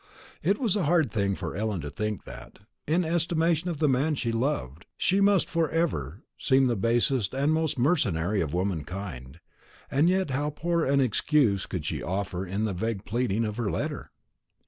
It was a hard thing for Ellen to think that, in the estimation of the man she loved, she must for ever seem the basest and most mercenary of womankind; and yet how poor an excuse could she offer in the vague pleading of her letter!